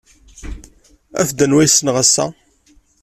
Af-d anwa ay ssneɣ ass-a!